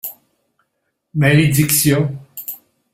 Malédiction !